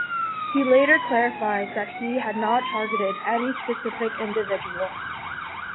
He later clarified that he had not targeted any specific individual.